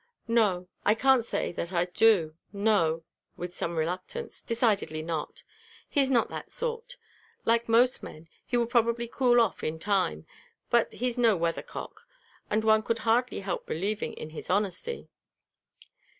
"No; I can't say that I do. No " with some reluctance, "decidedly not. He's not that sort. Like most men, he will probably cool off in time; but he's no weathercock, and one could hardly help believing in his honesty."